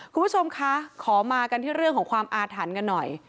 คุณผู้ชมคะขอมากันที่เรื่องของความอาถรรพ์กันหน่อย